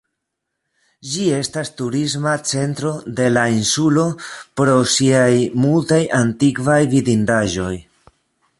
Ĝi estas turisma centro de la insulo pro siaj multaj antikvaj vidindaĵoj.